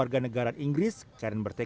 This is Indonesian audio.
dan juga olimpiade